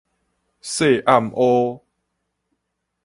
楔暗烏